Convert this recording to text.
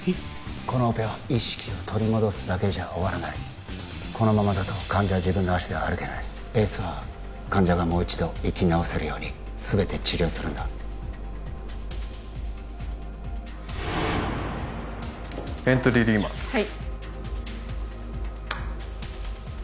このオペは意識を取り戻すだけじゃ終わらないこのままだと患者は自分の脚では歩けないエースは患者がもう一度生き直せるようにすべて治療するんだエントリーリーマーはい